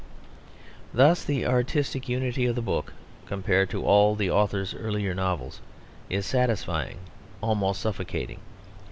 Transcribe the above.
Thus the artistic unity of the book, compared to all the author's earlier novels, is satisfying, almost suffocating.